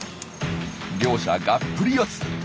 両者がっぷり四つ！